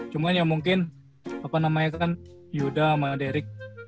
cuman ya mungkin yuda sama derick